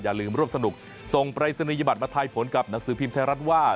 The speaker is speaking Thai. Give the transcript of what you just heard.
จึงร่วมสนุกส่งไปรสนิยบัตรมาไทยผลกับหนังสือพิมพ์ไทยรัฐว่า